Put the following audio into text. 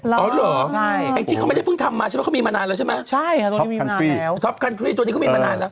อ๋อเหรอไอ้จิ๊กเขาไม่ได้เพิ่งทำมาใช่ไหมเขามีมานานแล้วใช่ไหม